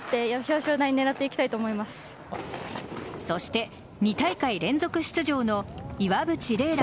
そして、２大会連続出場の岩渕麗